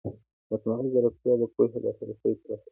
مصنوعي ځیرکتیا د پوهې لاسرسی پراخوي.